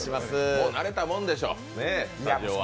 もう慣れたもんでしょう、スタジオは。